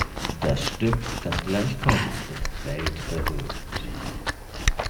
Das Stück, das gleich kommt, ist weltberühmt.